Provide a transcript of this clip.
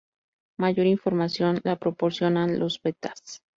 Mayor información la proporcionan los betas.